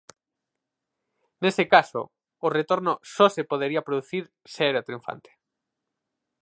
Nese caso, o retorno só se podería producir se era triunfante.